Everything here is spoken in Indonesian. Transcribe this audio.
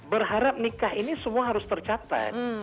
berharap nikah ini semua harus tercapai